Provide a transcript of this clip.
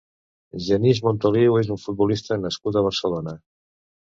Genís Montolio és un futbolista nascut a Barcelona.